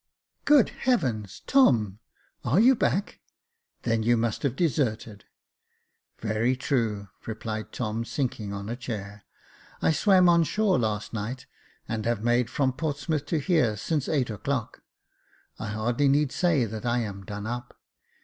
" Good heavens ! Tom ! are you back ? then you must have deserted." " Very true," replied Tom, sinking on a chair, "I swam on shore last night, and have made from Portsmouth to here since eight o'clock. I hardly need say that I am done up.